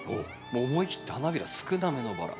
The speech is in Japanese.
もう思い切って花びら少なめのバラ。